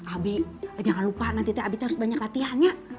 abi jangan lupa nanti teh abi terus banyak latihannya